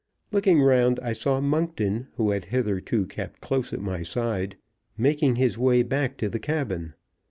Looking round, I saw Monkton, who had hitherto kept close at my side, making his way back to the cabin.